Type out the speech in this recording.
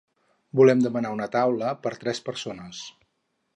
Volem demanar una taula per tres persones.